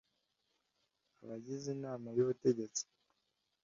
abagize inama y’ubutegetsi